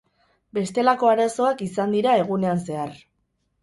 Bestelako arazoak izan dira egunean zehar.